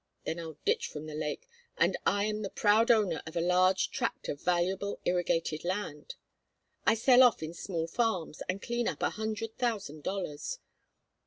Then I ditch from the lake, and I am the proud owner of a large tract of valuable irrigated land. I sell off in small farms, and clean up a hundred thousand dollars.